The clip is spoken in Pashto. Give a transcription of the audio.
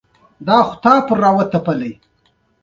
دغه عمل تر هغه وخته ادامه مومي چې مایع توده شي.